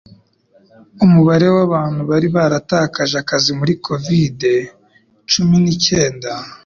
umubare wabantu bari baratakaje akazi muri covid cumi nicyenda